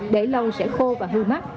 để lâu sẽ khô và hư mắt